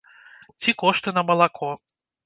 Ці кошты на малако.